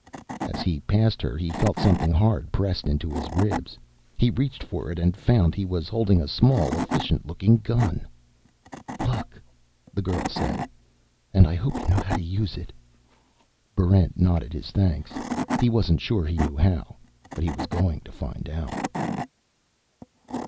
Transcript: As he passed her, he felt something hard pressed into his ribs. He reached for it, and found he was holding a small, efficient looking gun. "Luck," the girl said. "I hope you know how to use it." Barrent nodded his thanks. He wasn't sure he knew how; but he was going to find out.